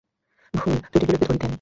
ভুল, ত্রুটিগুলো একটু ধরিয়ে দিয়েন।